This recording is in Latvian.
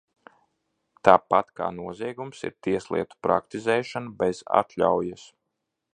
Tāpat kā noziegums ir tieslietu praktizēšana bez atļaujas?